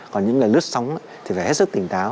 còn những ngày lướt sóng thì phải hết sức tỉnh táo